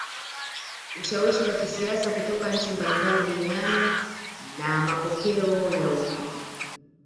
Ushawishi wa kisiasa kutoka nchi mbalimbali duniani na mapokeo ya wenyeji